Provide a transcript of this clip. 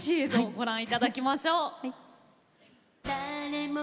ご覧いただきましょう。